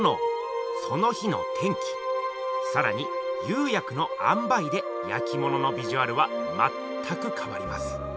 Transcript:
さらに釉薬のあんばいでやきもののビジュアルはまったくかわります。